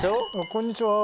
こんにちは。